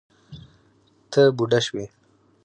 ته بوډه شوې